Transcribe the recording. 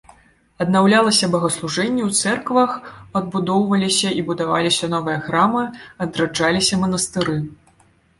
Аднаўлялася богаслужэнне ў цэрквах, адбудоўваліся і будаваліся новыя храмы, адраджаліся манастыры.